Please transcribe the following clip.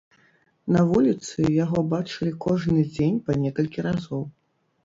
На вуліцы яго бачылі кожны дзень па некалькі разоў.